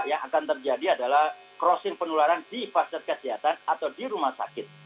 yang akan terjadi adalah crossing penularan di fasilitas kesehatan atau di rumah sakit